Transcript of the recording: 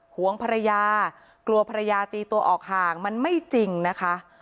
ห่วงภรรยากลัวภรรยาตีตัวออกห่างมันไม่จริงนะคะ